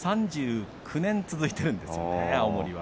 １３９年続いているんですね青森は。